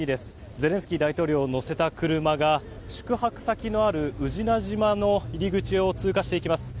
ゼレンスキー大統領を乗せた車が宿泊先のある宇品島の入り口を通過していきます。